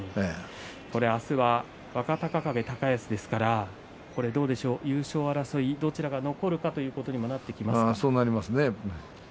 明日は若隆景、高安ですから優勝争いどちらが残るかということにもなってきますか。